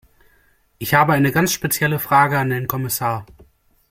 Ich habe eine ganz spezielle Frage an den Kommissar.